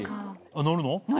乗るの？